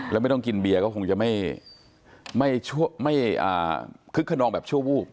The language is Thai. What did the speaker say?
แล้วไม่ต้องกินเบียร์ก็คงจะไม่คึกขนองแบบชั่ววูบ